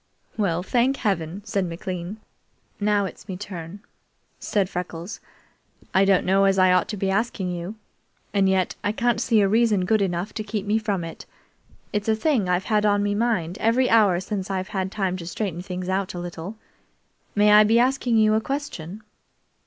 "Well thank heaven!" said McLean. "Now it's me turn," said Freckles. "I don't know as I ought to be asking you, and yet I can't see a reason good enough to keep me from it. It's a thing I've had on me mind every hour since I've had time to straighten things out a little. May I be asking you a question?"